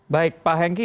baik pak hengki